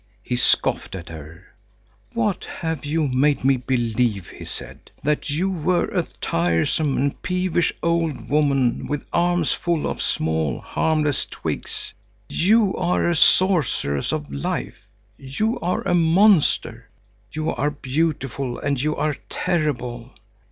He scoffed at her. "What have you made me believe?" he said. "That you were a tiresome and peevish old woman with arms full of small, harmless twigs. You are a sorceress of life. You are a monster. You are beautiful, and you are terrible.